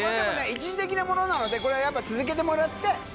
一時的なものなのでこれはやっぱ続けてもらって。